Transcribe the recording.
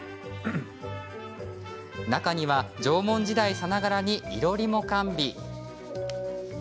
中には、縄文時代さながらにいろりも完備。